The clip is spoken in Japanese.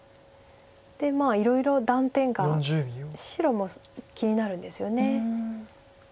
でいろいろ断点が白も気になるんですよね。